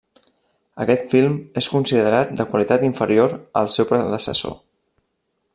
Aquest film és considerat de qualitat inferior al seu predecessor.